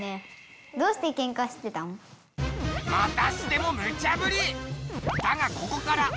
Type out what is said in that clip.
またしてもムチャぶり！